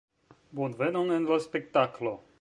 Bonvenon en la spektaklo!